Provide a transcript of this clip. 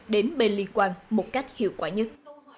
đến bên liên quan một cách hiệu quả nhất